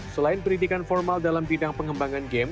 selain pendidikan formal dalam bidang pengembangan game